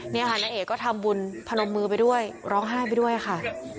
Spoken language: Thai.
นี่ค่ะณเอกก็ทำบุญพนมมือไปด้วยร้องไห้ไปด้วยค่ะ